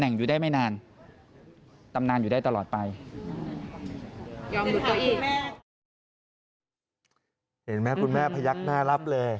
เห็นไหมคุณแม่พยักหน้ารับเลย